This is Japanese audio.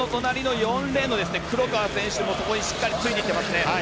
４レーンの黒川選手もそこにしっかりついていってますね。